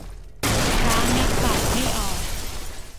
พร้างัดปากไม่ออก